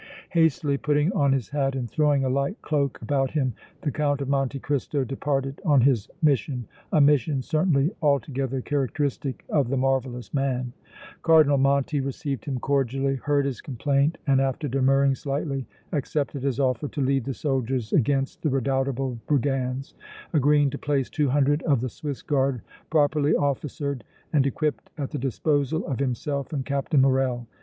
Hastily putting on his hat and throwing a light cloak about him, the Count of Monte Cristo departed on his mission, a mission certainly altogether characteristic of the marvellous man. Cardinal Monti received him cordially, heard his complaint and, after demurring slightly, accepted his offer to lead the soldiers against the redoubtable brigands, agreeing to place two hundred of the Swiss Guard properly officered and equipped at the disposal of himself and Captain Morrel.